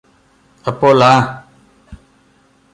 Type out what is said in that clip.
അപ്പോൾ ആഹ്